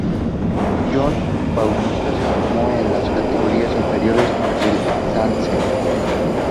Jon Bautista se formó en las categorías inferiores del Sanse.